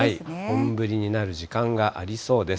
本降りになる時間がありそうです。